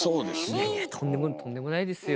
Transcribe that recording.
いやいやとんでもないとんでもないですよ